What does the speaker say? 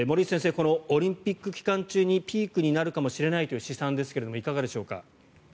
このオリンピック期間中にピークになるかもしれないという試算ですが、いかがでしょうか。